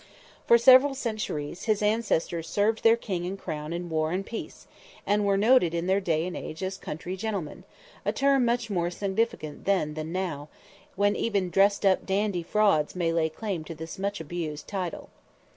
For several centuries, his ancestors served their king and crown in war and peace; and were noted in their day and age as country "gentlemen," a term much more significant then than now, when even dressed up "dandy" frauds may lay claim to this much abused title.